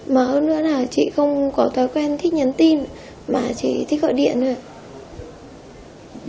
mà hơn nữa là chị không có thói quen thích nhắn tin mà chị thích gọi điện thôi